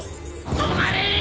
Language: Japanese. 止まれ！